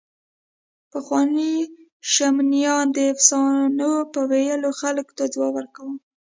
پخوانيو شمنیانو د افسانو په ویلو خلکو ته ځواک ورکاوه.